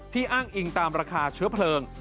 อ้างอิงตามราคาเชื้อเพลิง